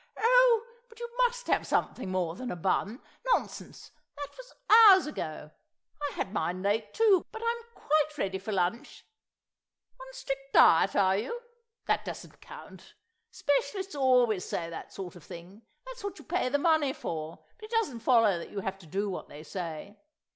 "Oh, but you must have something more than a bun. ... Nonsense, that was hours ago; I had mine late, too, but I'm quite ready for lunch. ... On strict diet, are you? That doesn't count. Specialists always say that sort of thing; that's what you pay the money for; but it doesn't follow that you do what they say.